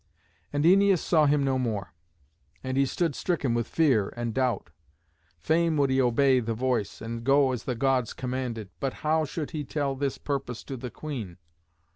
'" And Æneas saw him no more. And he stood stricken with fear and doubt. Fain would he obey the voice, and go as the Gods commanded. But how should he tell this purpose to the queen?